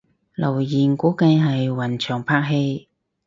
留言估計係雲翔拍戲